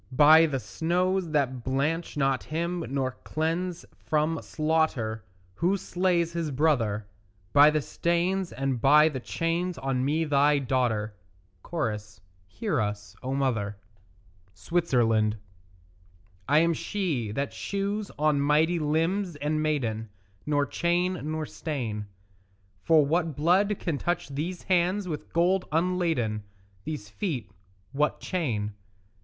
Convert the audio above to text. By the snows that blanch not him nor cleanse from slaughter Who slays his brother; By the stains and by the chains on me thy daughter; (Cho.) Hear us, O mother. SWITZERLAND I am she that shews on mighty limbs and maiden Nor chain nor stain; For what blood can touch these hands with gold unladen, These feet what chain?